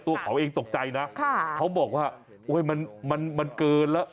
ตัวเขาเองตกใจนะเขาบอกว่ามันเกินแล้ว